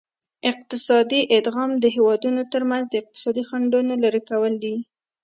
اقتصادي ادغام د هیوادونو ترمنځ د اقتصادي خنډونو لرې کول دي